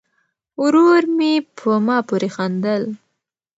ورور مې په ما پورې خندل.